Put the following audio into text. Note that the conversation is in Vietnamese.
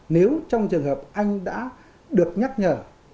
nếu trong trường hợp anh đã được nhắc nhở